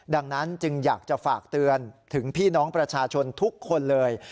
ดังนั้นจึงอยากจะฝากเตือนถึงพี่น้องประชาชนทุกคนเลย